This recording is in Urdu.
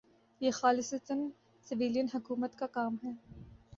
یہ خالصتا سویلین حکومت کا کام ہے۔